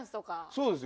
そうですよ。